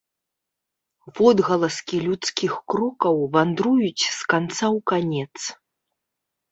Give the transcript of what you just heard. Водгаласкі людскіх крокаў вандруюць з канца ў канец.